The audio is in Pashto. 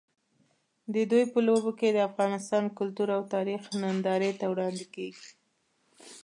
د دوی په لوبو کې د افغانستان کلتور او تاریخ نندارې ته وړاندې کېږي.